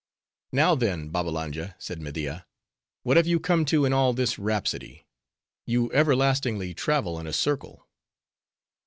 '" "Now, then, Babbalanja," said Media, "what have you come to in all this rhapsody? You everlastingly travel in a circle."